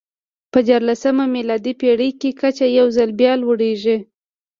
په دیارلسمه میلادي پېړۍ کې کچه یو ځل بیا لوړېږي.